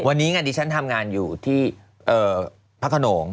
วันนี้ดิฉันทำงานอยู่ที่พระขนง